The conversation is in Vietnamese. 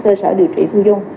cơ sở điều trị thu dung